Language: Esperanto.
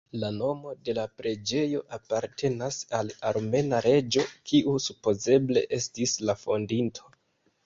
La nomo de la preĝejo apartenas al armena reĝo kiu supozeble estis la fondinto.